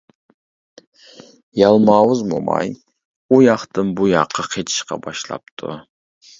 يالماۋۇز موماي ئۇ ياقتىن بۇ ياققا قېچىشقا باشلاپتۇ.